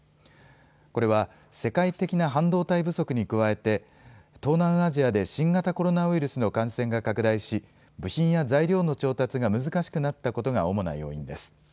これは、世界的な半導体不足に加えて東南アジアで新型コロナウイルスの感染が拡大し、部品や材料の調達が難しくなったことが主な要因です。